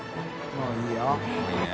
もういいね。